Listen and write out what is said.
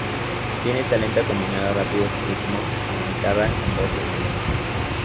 Tiene talento combinando rápidos ritmos de guitarra con voces melódicas.